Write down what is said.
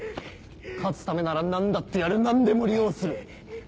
勝つためなら何だってやる何でも利用する！